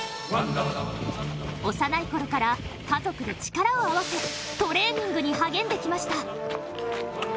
幼いころから家族で力を合わせトレーニングに励んできました。